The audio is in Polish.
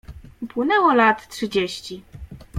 Upłynęło lat trzydzieści.